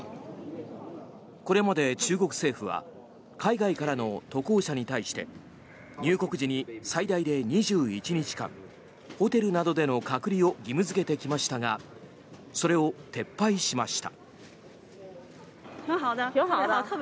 これまで中国政府は海外からの渡航者に対して入国時に最大で２１日間ホテルなどでの隔離を義務付けてきましたがそれを撤廃しました。